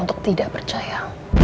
untuk tidak percaya